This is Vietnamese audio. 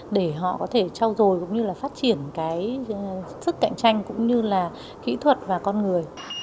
để họ có thể trao dồi phát triển sức cạnh tranh kỹ thuật và con người